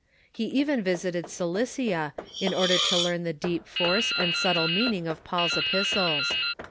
He even visited Cilicia, in order to learn the deep force and subtle meaning of Paul's ejjistles.